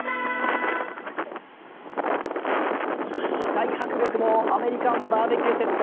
大迫力のアメリカンバーベキューセット